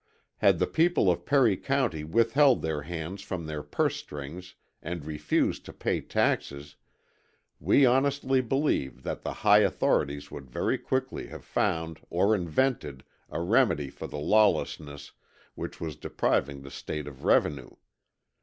Had the people of Perry County withheld their hands from their purse strings and refused to pay taxes, we honestly believe that the high authorities would very quickly have found or invented a remedy for the lawlessness which was depriving the State of revenue.